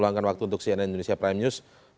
meluangkan waktu untuk cnn indonesia prime news